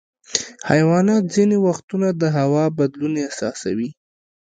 حیوانات ځینې وختونه د هوا بدلون احساسوي.